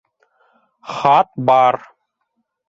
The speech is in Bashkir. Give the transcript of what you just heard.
Хат бар!